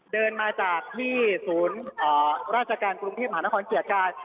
เดินมาจากที่ศูนย์ราชการกรุงเทพมหานครเกียรติกาย